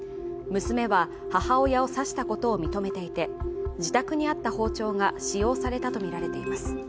娘は母親を刺したことを認めていて自宅にあった包丁が使用されたとみられています。